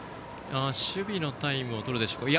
守備のタイムを取るでしょうか。